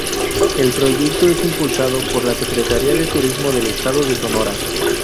El proyecto es impulsado por la Secretaría de Turismo del estado de Sonora.